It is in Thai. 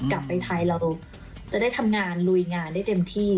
กลับไปไทยเราจะได้ทำงานลุยงานได้เต็มที่